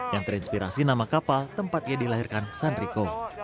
yang terinspirasi nama kapal tempatnya dilahirkan san rico